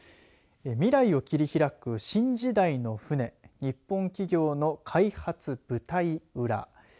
未来を切り開く新時代の船日本企業の開発舞台裏。